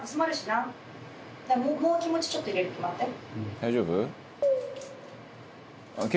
「大丈夫？」